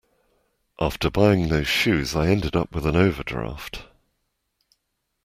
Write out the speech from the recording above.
After buying those shoes I ended up with an overdraft